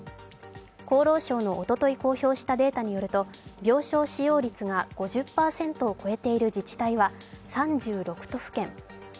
厚労省のおととい公表したデータによると、病床使用率が５０％を超えている自治体は３６都府県。